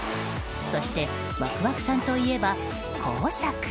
そしてワクワクさんといえば工作。